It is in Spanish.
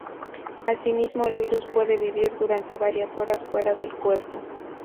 Asimismo, el virus puede vivir durante varias horas fuera del cuerpo.